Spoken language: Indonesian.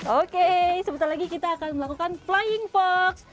oke sebentar lagi kita akan melakukan flying fox